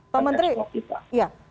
pak menteri ya